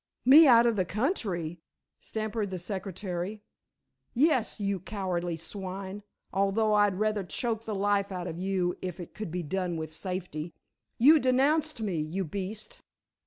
"Me out of the country?" stammered the secretary. "Yes, you cowardly swine, although I'd rather choke the life out of you if it could be done with safety. You denounced me, you beast."